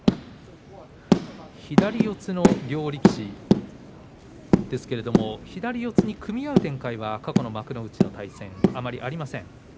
左四つの両力士ですけれど左四つに組み合う展開は過去の幕内の対戦あまりありません。